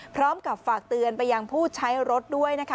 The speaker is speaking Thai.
พร้อมกับฝากเตือนไปยังผู้ใช้รถด้วยนะคะ